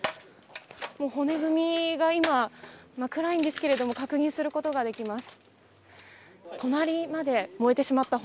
骨組みが今、暗いんですけども確認することができます。